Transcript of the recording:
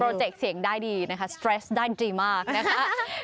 เจกต์เสียงได้ดีนะคะสเตรสได้ดีมากนะคะ